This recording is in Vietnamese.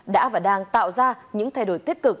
đã và đang tạo ra những thay đổi tích cực